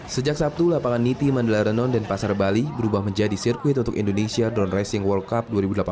sejak sabtu lapangan niti mandela renon dan pasar bali berubah menjadi sirkuit untuk indonesia drone racing world cup dua ribu delapan belas